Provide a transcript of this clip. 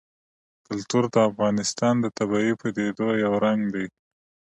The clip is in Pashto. کلتور د افغانستان د طبیعي پدیدو یو رنګ دی.